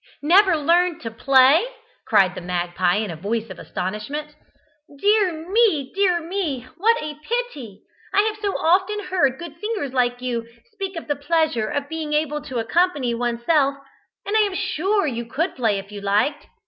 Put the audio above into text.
"Never learned to play?" cried the magpie in a voice of astonishment. "Dear me, dear me, what a pity! I have so often heard good singers like you speak of the pleasure of being able to accompany oneself, and I am sure you could play if you liked.